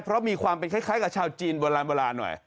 เพราะมีความเป็นคล้ายกับชาวจีนโบราณเวลาหน่อย